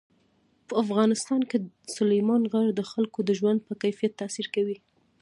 په افغانستان کې سلیمان غر د خلکو د ژوند په کیفیت تاثیر کوي.